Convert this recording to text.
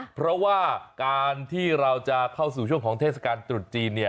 เพราะว่าการที่เราจะเข้าสู่ช่วงของเทศกาลตรุษจีนเนี่ย